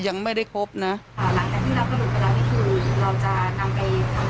หลังจากที่เรากระดูกกันแล้วนี่คือเราจะนำไปทำบุญเลยหรือเปล่า